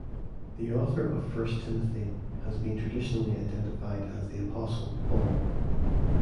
The author of "First Timothy" has been traditionally identified as the Apostle Paul.